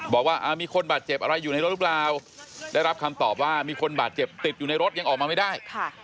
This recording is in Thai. บอกว่ามีคนบาดเจ็บอะไรอยู่ในรถหรือเปล่าได้รับคำตอบว่ามีคนบาดเจ็บติดอยู่ในรถยังออกมาไม่ได้